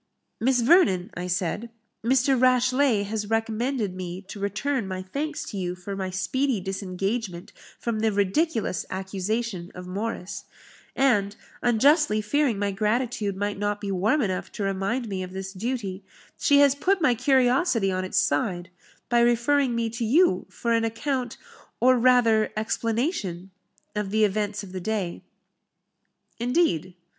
"Miss Vernon," I said, "Mr. Rashleigh, has recommended me to return my thanks to you for my speedy disengagement from the ridiculous accusation of Morris; and, unjustly fearing my gratitude might not be warm enough to remind me of this duty, she has put my curiosity on its side, by referring me to you for an account, or rather explanation, of the events of the day." "Indeed?"